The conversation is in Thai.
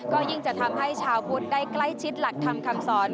ก็ยิ่งจะทำให้ชาวพุทธได้ใกล้ชิดหลักธรรมคำสอน